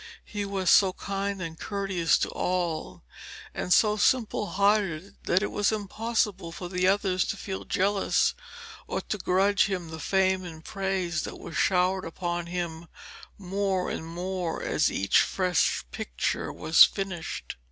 He was so kind and courteous to all, and so simple hearted that it was impossible for the others to feel jealous or to grudge him the fame and praise that was showered upon him more and more as each fresh picture was finished.